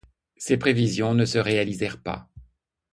Ses prévisions ne se réalisèrent pas.